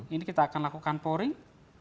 ini kita akan lakukan pouring